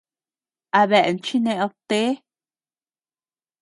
A dean chi neʼed, té.